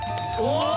お！